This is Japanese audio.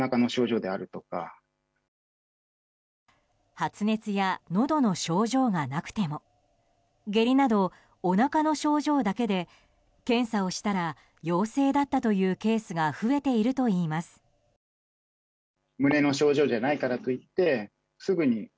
発熱やのどの症状がなくても下痢など、おなかの症状だけで検査をしたら陽性だったというケースが増えているといいます。